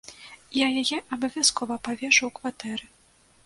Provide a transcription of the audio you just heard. Я яе абавязкова павешу ў кватэры.